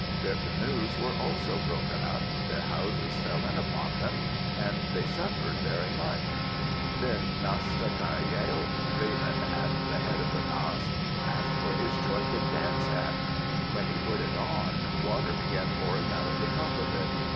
Their canoes were also broken up, their houses fell in upon them, and they suffered very much. Then Nas ca ki yel, Raven at the head of Nass, asked for his jointed dance hat. When he put it on water began pouring out of the top of it.